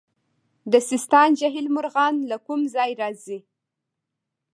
د سیستان جهیل مرغان له کوم ځای راځي؟